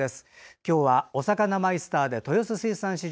今日はおさかなマイスターで豊洲水産市場